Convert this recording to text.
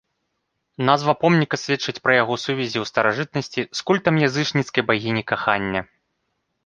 Назва помніка сведчыць пра яго сувязі ў старажытнасці з культам язычніцкай багіні кахання.